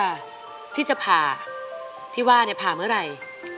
ที่จะผ่าที่ว่าเนี่ยผ่าเมื่อไหร่